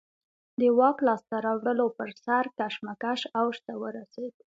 د واک لاسته راوړلو پر سر کشمکش اوج ته ورسېد